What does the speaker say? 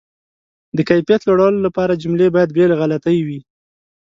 د کیفیت لوړولو لپاره، جملې باید بې له غلطۍ وي.